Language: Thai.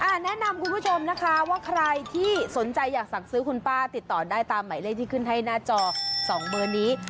แนะนำคุณผู้ชมนะคะว่าใครที่สนใจอยากสั่งซื้อคุณป้าติดต่อได้ตามหมายเลขที่ขึ้นให้หน้าจอ๒เบอร์นี้